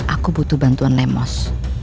aku butuh bantuan lemos